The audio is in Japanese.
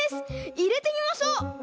いれてみましょう！